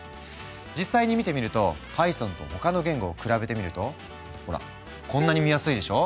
実際に見てみるとパイソンと他の言語を比べてみるとほらこんなに見やすいでしょ。